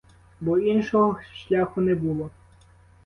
Бо іншого шляху не було.